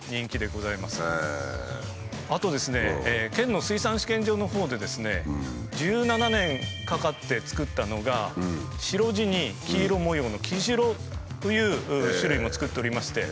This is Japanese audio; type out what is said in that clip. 県の水産試験場のほうでですね１７年かかってつくったのが白地に黄色模様の「黄白」という種類もつくっておりまして。